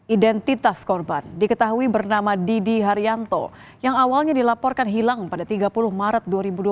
identitas korban diketahui bernama didi haryanto yang awalnya dilaporkan hilang pada tiga puluh maret dua ribu dua puluh